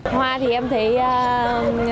hoa thì em thấy rất là đẹp ạ